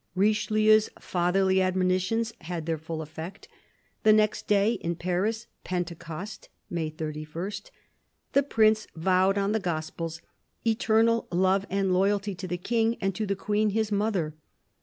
Richelieu's fatherly admonitions had their full effect. The next day, in Paris — Pentecost, May 31 — the Prince vowed on the Gospels eternal love and loyalty to the King and to the Queen his mother.